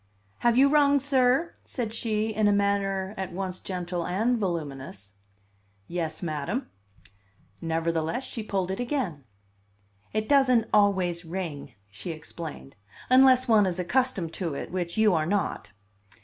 "Have you rung, sir?" said she, in a manner at once gentle and voluminous. "Yes, madam." Nevertheless she pulled it again. "It doesn't always ring," she explained, "unless one is accustomed to it, which you are not."